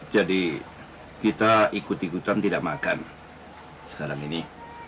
jadi kita ikut ikutan tidak makan sekarang ini